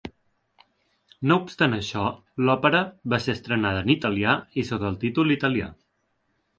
No obstant això, l'òpera va ser estrenada en italià i sota el títol italià.